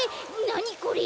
なにこれ。